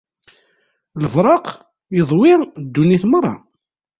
Lebraq iḍwi ddunit merra.